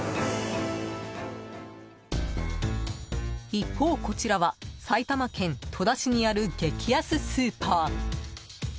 一方、こちらは埼玉県戸田市にある激安スーパー。